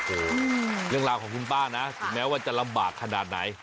โอ้โหเรื่องราวของคุณป้านะถึงแม้ว่าจะลำบากขนาดไหน